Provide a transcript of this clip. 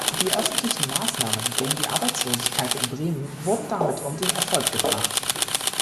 Die öffentlichen Maßnahmen gegen die Arbeitslosigkeit in Bremen wurden damit um den Erfolg gebracht.